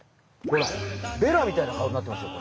ほらベラみたいな顔になってますよ